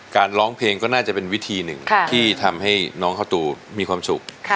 ร้องเพลงก็น่าจะเป็นวิธีหนึ่งที่ทำให้น้องข้าวตูมีความสุข